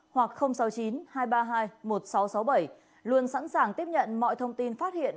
hoặc sáu mươi chín hai trăm ba mươi hai một nghìn sáu trăm sáu mươi bảy luôn sẵn sàng tiếp nhận mọi thông tin phát hiện